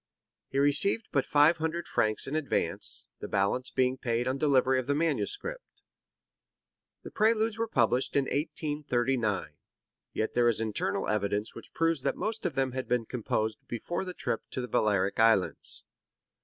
He received but five hundred francs in advance, the balance being paid on delivery of the manuscript. The Preludes were published in 1839, yet there is internal evidence which proves that most of them had been composed before the trip to the Balearic Islands.